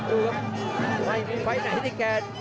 ไม่มีไฟต์ในฮิติแกน